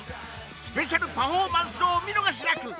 スペシャルパフォーマンスをおみのがしなく。